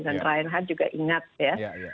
dan ryan hart juga ingat ya